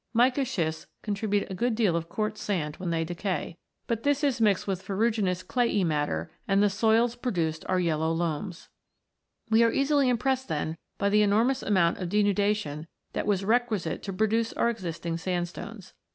Mica schists contribute a good deal in] THE SANDSTONES 57 of quartz sand when they decay; but this is mixed with ferruginous clayey matter, and the soils produced are yellow loams. We are easily impressed, then, by the enormous amount of denudation that was requisite to produce our existing sandstones.